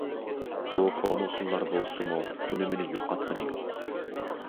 بۇ كونا ئۇسۇللار بولسىمۇ ئۈنۈمىنى يوقاتقىنى يوق.